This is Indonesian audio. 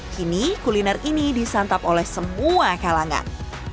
kini kuliner ini disantap oleh semua kalangan